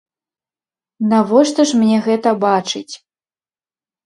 Навошта ж мне гэта бачыць?